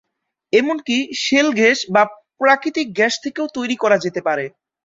এমনকি shale gas বা প্রাকৃতিক গ্যাস থেকেও তৈরি করা যেতে পারে।